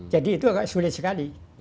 jadi itu agak sulit sekali